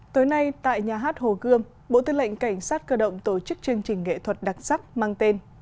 tối nay tại nhà hát hồ gươm bộ tư lệnh cảnh sát cơ động tổ chức chương trình nghệ thuật đặc sắc mang tên